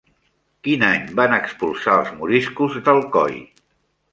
Quin any van expulsar els moriscos d'Alcoi?